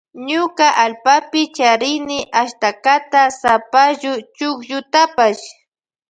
Ñuka allpapi charini ashtaka sapallu chukllutapash.